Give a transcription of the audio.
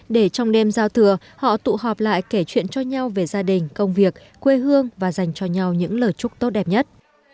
để trong đêm giao thừa họ tụ họp lại kể chuyện cho nhau về gia đình công việc quê hương và dành cho nhau những lời chúc tốt đẹp nhất